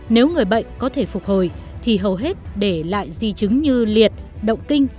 nếu người bệnh có thể phục hồi thì hầu hết để lại di chứng như liệt động kinh